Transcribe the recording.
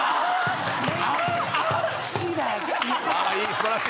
素晴らしい。